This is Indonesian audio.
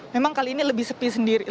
memang kali ini lebih sepi sendiri